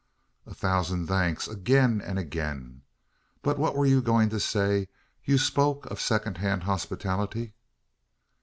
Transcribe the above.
"A thousand thanks again and again! But what were you going to say? You spoke of second hand hospitality?"